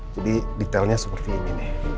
jadi detailnya seperti ini